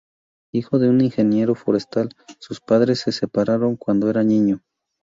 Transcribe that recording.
Hijo de un ingeniero forestal, sus padres se separaron cuando era niño.